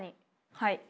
はい。